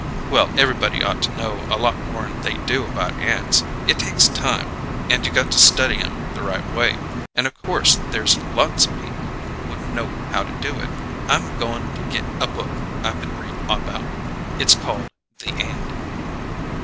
"Well, everybody ought to know a lot more'n they do about ants. It takes time, and you got to study 'em the right way, and of course there's lots of people wouldn't know how to do it. I'm goin' to get a book I been readin' about. It's called 'The Ant.'"